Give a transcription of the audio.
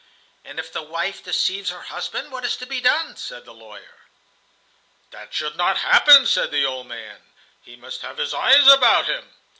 "And if the wife deceives her husband, what is to be done?" said the lawyer. "That should not happen," said the old man. "He must have his eyes about him."